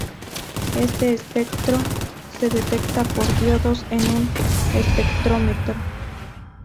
Este espectro se detecta por diodos en un espectrómetro.